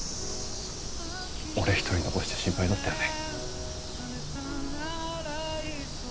俺一人残して心配だったよね。